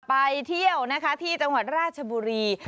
ไปเที่ยวนะคะที่จังหวัดราชบุรี